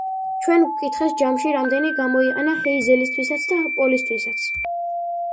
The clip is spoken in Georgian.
ჩვენ გვკითხეს ჯამში რამდენი გამოიყენა ჰეიზელისთვისაც და პოლისთვისაც.